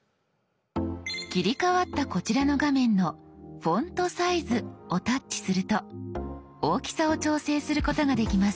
切り替わったこちらの画面の「フォントサイズ」をタッチすると大きさを調整することができます。